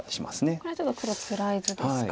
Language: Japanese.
これはちょっと黒つらい図ですか。